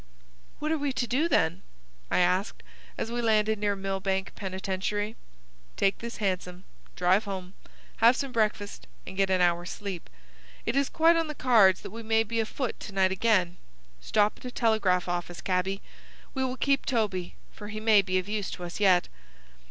"What are we to do, then?" I asked, as we landed near Millbank Penitentiary. "Take this hansom, drive home, have some breakfast, and get an hour's sleep. It is quite on the cards that we may be afoot to night again. Stop at a telegraph office, cabby! We will keep Toby, for he may be of use to us yet."